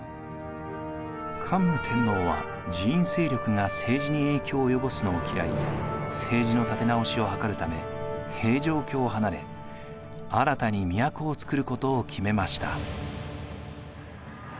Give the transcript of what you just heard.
桓武天皇は寺院勢力が政治に影響を及ぼすのを嫌い政治の立て直しを図るため平城京を離れ新たに都をつくることを決めました。